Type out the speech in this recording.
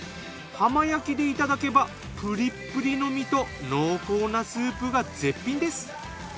浜焼きでいただけばプリップリの身と濃厚なスープが絶品です。